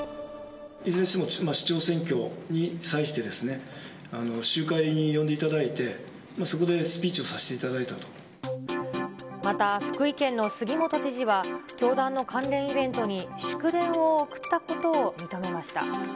いずれにしても市長選挙に対しては、集会に呼んでいただいて、そこでスピーチをさせていただいまた福井県の杉本知事は、教団の関連イベントに祝電を送ったことを認めました。